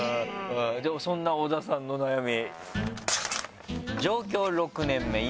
そんな小田さんの悩み。